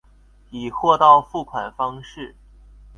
以货到付款方式